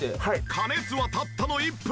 加熱はたったの１分。